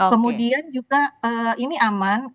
kemudian juga ini aman